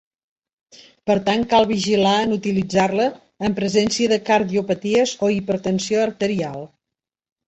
Per tant, cal vigilar en utilitzar-la en presència de cardiopaties o hipertensió arterial.